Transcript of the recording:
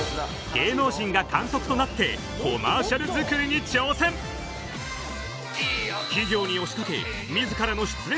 芸能人が監督となってコマーシャル作りに挑戦企業に押しかけ自らの出演